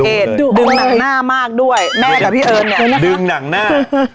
ดึงหนังหน้ามากด้วยแม่กับพี่เอิญเนี่ยดึงหนังหน้า